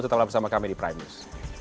tetaplah bersama kami di prime news